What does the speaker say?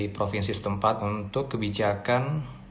provinsi setempat untuk kebijakan